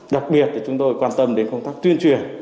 đặc biệt là chúng tôi quan tâm đến công tác tuyên truyền